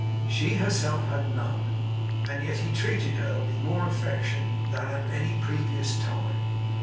She herself had none; and yet he treated her with more affection than at any previous time.